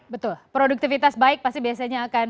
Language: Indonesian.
betul produktivitas baik pasti biasanya akan